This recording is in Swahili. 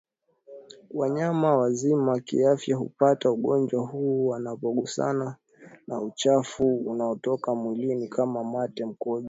Wanyama wazima kiafya hupata ugonjwa huu wanapogusana na uchafu unaotoka mwilini kama mate mkojo